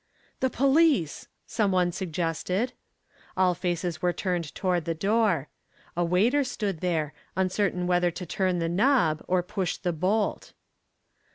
"The police!" some one suggested. All faces were turned toward the door. A waiter stood there, uncertain whether to turn the knob or push the bolt.